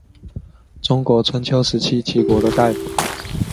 中国春秋时期齐国的大夫。